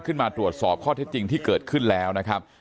ตรวจสอบข้อเท็จจริงที่เกิดขึ้นแล้วนะครับ